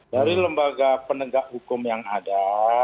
dari lembaga penegak hukum yang ada